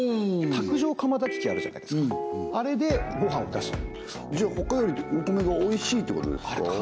卓上釜炊き器あるじゃないですかあれでご飯を出すんですねじゃあ他よりお米がおいしいってことですか？